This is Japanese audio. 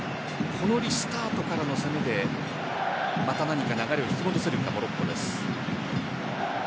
このリスタートからの攻めでまた何か流れを引き戻せるかモロッコです。